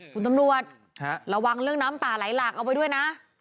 คุณตำรวจระวังเรื่องน้ำป่าไหลหลากเอาไว้ด้วยนะ